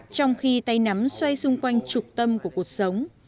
trong khi tay nắm xoay xung quanh trục tâm của cuộc sống